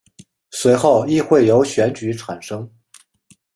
随后议会由选举产生。